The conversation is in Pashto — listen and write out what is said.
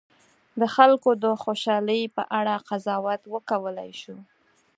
د خلکو د خوشالي په اړه قضاوت وکولای شو.